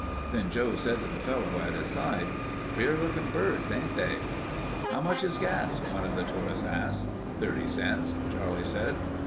Then Joe said to the fellow at his side, "Queer looking birds, ain't they?" "How much is gas?" one of the tourists asked. "Thirty cents," Charlie said.